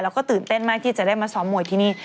แล้วก็ตื่นเต้นมากที่จะได้มาซ้อมมวยที่นี่